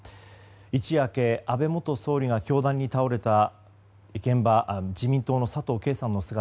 一夜明け、安倍元総理が凶弾に倒れた現場に自民党の佐藤啓さんの姿。